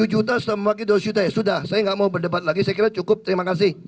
tujuh juta semakin dosyutai sudah saya nggak mau berdebat lagi sekitar cukup terima kasih pak